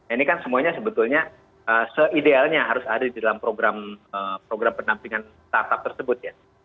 ini kan semuanya sebetulnya se idealnya harus ada di dalam program pendampingan startup tersebut ya